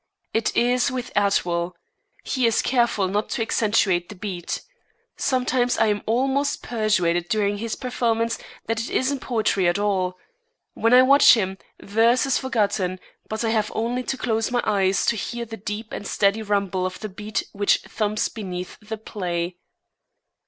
It is with Atwill. He is careful not to accentuate the beat. Sometimes I am almost persuaded during his performance that it isn't poetry at all. When I watch him, verse is forgotten, but I have only to close my eyes to hear the deep and steady rumble of the beat which thumps beneath the play.